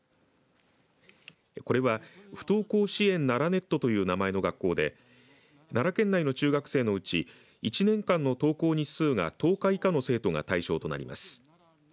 これは、不登校支援ならネットという名前の学校で奈良県内の中学生のうち１年間の登校日数が１０日以下の生徒が対象となります。